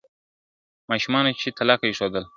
ماشومانو چي تلکه ایښودله ,